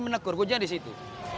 menegur punya disitu